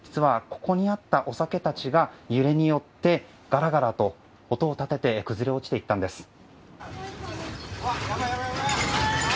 ここにあったお酒たちが揺れによってガラガラと音を立てて崩れ落ちていったんです。